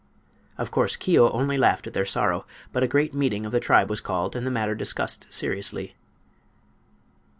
Of course Keo only laughed at their sorrow; but a great meeting of the tribe was called and the matter discussed seriously.